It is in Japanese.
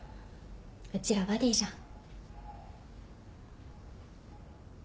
うちらバディじゃん。